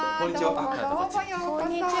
こんにちは。